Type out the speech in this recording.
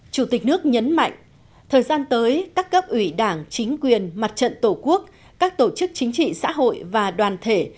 chủ tịch nước nhấn mạnh thời gian tới các cấp ủy đảng chính quyền mặt trận tổ quốc các tổ chức chính trị xã hội và đoàn thể